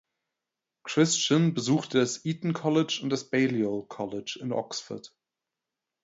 Christian besuchte das Eton College und das Balliol College in Oxford.